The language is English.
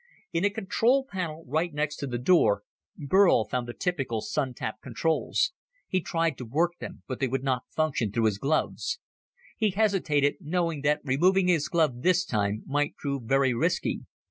In a covered panel right next to the door, Burl found the typical Sun tap controls. He tried to work them, but they would not function through his gloves. He hesitated, knowing that removing his glove this time might prove very risky.